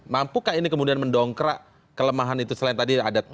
mampukah ini kemudian mendongkrak kelemahan itu selain tadi ada